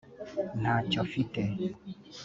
Ntacyo mfite